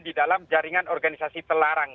di dalam jaringan organisasi pelarang